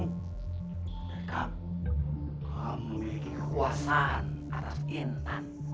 dan kamu kamu memiliki kekuasaan atas intan